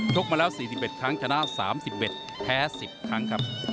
กมาแล้ว๔๑ครั้งชนะ๓๑แพ้๑๐ครั้งครับ